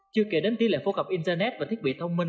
chưa kể đến tỷ lệ phổ cập internet và thiết bị thông minh